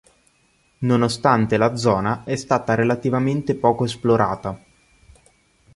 Nonostante la zona è stata relativamente poco esplorata.